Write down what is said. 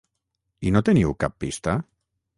I no teniu cap pista?